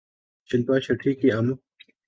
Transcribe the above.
شلپا شیٹھی کی ام